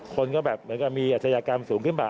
คนก็แบบมีอัศยากรรมสูงขึ้นบาง